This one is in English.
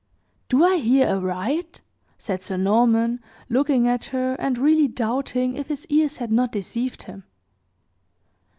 "Do I hear aright?" said Sir Norman, looking at her, and really doubting if his ears had not deceived him.